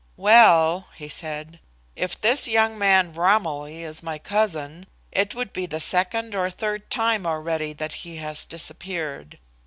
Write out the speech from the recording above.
"Well," he said, "if this young man Romilly is my cousin, it would be the second or third time already that he has disappeared.